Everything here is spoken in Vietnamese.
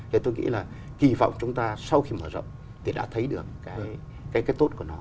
thì tôi nghĩ là kỳ vọng chúng ta sau khi mở rộng thì đã thấy được cái tốt của nó